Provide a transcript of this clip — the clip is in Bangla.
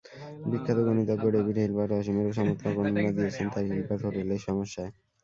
বিখ্যাত গণিতজ্ঞ ডেভিড হিলবার্ট অসীমের চমৎকার বর্ণনা দিয়েছেন তাঁর হিলবার্ট হোটেলের সমস্যায়।